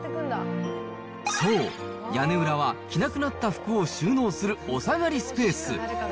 そう、屋根裏は着なくなった服を収納するおさがりスペース。